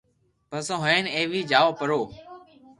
پسو ھين ايوي جاوو پرو